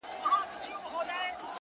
هغه په ژړا ستغ دی چي يې هيڅ نه ژړل!!